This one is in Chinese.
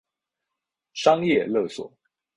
商业勒索